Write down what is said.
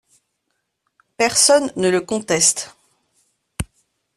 Personne ne le conteste.